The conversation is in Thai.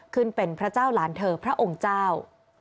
ขึ้นเป็นพระเจ้าหลานเธอพระองค์เจ้า